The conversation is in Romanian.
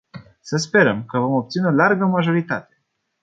Să sperăm că vom obține o largă majoritate.